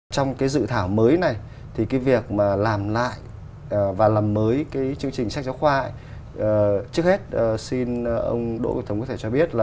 trong cái dự thảo mới này thì cái việc mà làm lại và làm mới cái chương trình sách giáo khoa trước hết xin ông đỗ văn thống có thể cho biết là